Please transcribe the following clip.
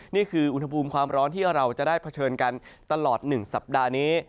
นี่คืออุณหภูมิความร้อนที่เราจะได้เผชิญกันตลอด๑สัปดาห์นี้